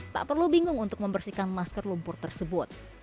tak perlu bingung untuk membersihkan masker lumpur tersebut